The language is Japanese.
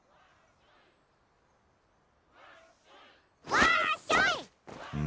わっしょい！うう！？